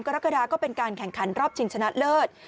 กรกฎาก็เป็นการแข่งขันรอบชิงชนะเลิศ